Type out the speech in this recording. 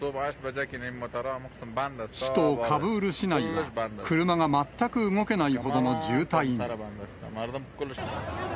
首都カブール市内は車がまったく動けないほどの渋滞に。